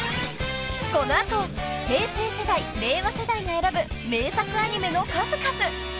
［この後平成世代令和世代が選ぶ名作アニメの数々］